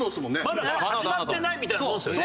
まだ始まってないみたいなもんですよね。